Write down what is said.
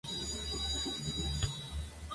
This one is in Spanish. La escotilla de escape no se podía abrir desde dentro.